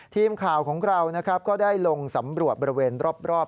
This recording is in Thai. ทีมข่าวของเรานะครับก็ได้ลงสำรวจบริเวณรอบ